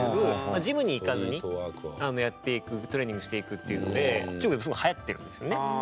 ジムに行かずにやっていくトレーニングしていくっていうので中国ですごいはやってるんですよね。